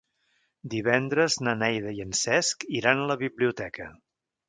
Divendres na Neida i en Cesc iran a la biblioteca.